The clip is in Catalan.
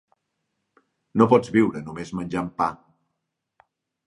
No pots viure només menjant pa.